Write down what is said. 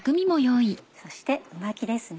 そしてう巻きですね。